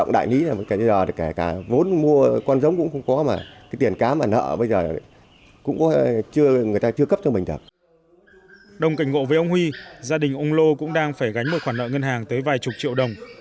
đồng cảnh ngộ với ông huy gia đình ông lô cũng đang phải gánh một khoản nợ ngân hàng tới vài chục triệu đồng